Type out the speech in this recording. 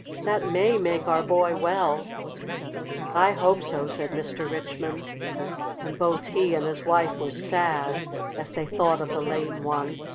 That may make our boy well." "I hope so," said Mr. Richmond, and both he and his wife were sad as they thought of the lame one.